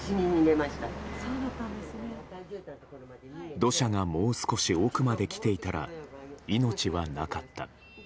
土砂がもう少し奥まで来ていたら命はなかった。